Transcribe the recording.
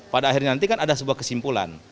pada akhirnya nanti kan ada sebuah kesimpulan